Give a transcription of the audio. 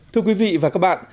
thưa quý vị và các bạn